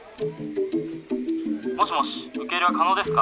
☎もしもし受け入れは可能ですか？